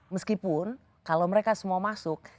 meskipun kalau mereka semua masuk